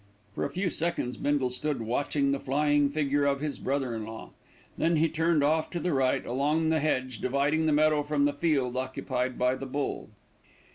For a few seconds, Bindle stood watching the flying figure of his brother in law. Then he turned off to the right, along the hedge dividing the meadow from the field occupied by the bull.